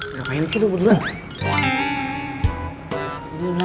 gapain sih dua duanya